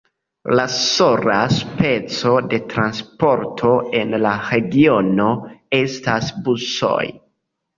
La sola speco de transporto en la regiono estas busoj.